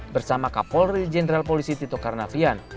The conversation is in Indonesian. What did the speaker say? bersama kapolri jenderal polisi tito karnavian